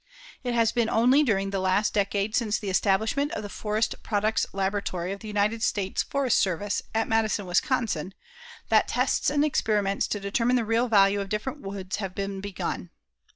It has been only during the last decade since the establishment of the Forest Products Laboratory of the United States Forest Service, at Madison, Wisconsin, that tests and experiments to determine the real value of different woods have been begun.